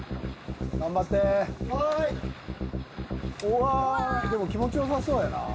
うわでも気持ちよさそうやな。